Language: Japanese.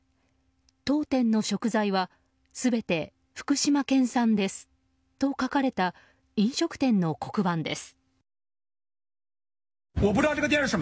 当店の食材は全て福島県産です」と書かれた飲食店の黒板です。